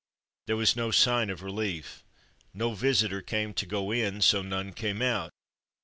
There was no sign of relief. No visitor came to go in, so none came out.